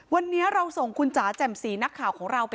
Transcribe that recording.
วันนี้เราส่งคุณจ๋าแจ่มสีนักข่าวของเราไป